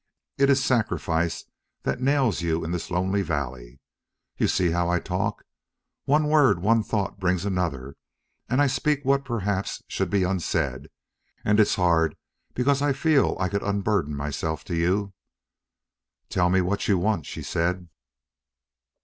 It is sacrifice that nails you in this lonely valley.... You see how I talk! One word, one thought brings another, and I speak what perhaps should be unsaid. And it's hard, because I feel I could unburden myself to you." "Tell me what you want," she said.